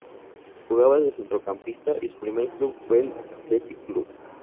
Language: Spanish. Jugaba de centrocampista y su primer club fue el Athletic Club.